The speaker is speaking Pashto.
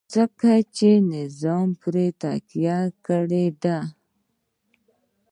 ځکه چې نظام پرې تکیه کړې ده.